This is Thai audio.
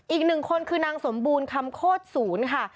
อีกหนึ่งคนคือนางสมบูรณ์คำโคตรศูนย์ค่ะ